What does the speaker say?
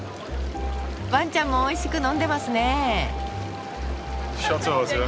わんちゃんもおいしく飲んでますね。